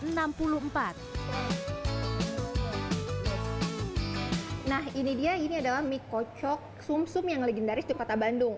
nah ini dia ini adalah mie kocok sum sum yang legendaris di kota bandung